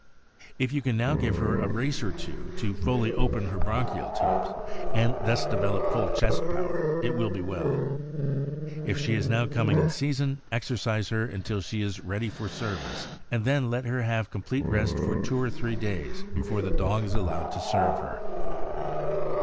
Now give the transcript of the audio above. If you can now give her a race or two, to fully open her bronchial tubes, and thus develop full chest power, it will be well. If she is now coming in season, exercise her until she is ready for service, and then let her have com plete rest for two or three days before the dog is allowed to serve her.